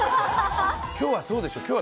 今日はそうでしょ？